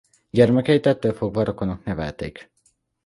Gyermekeit ettől fogva rokonok nevelték.